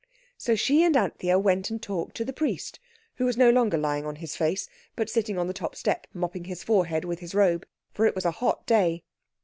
So she and Anthea went and talked to the priest, who was no longer lying on his face, but sitting on the top step mopping his forehead with his robe, for it was a hot day.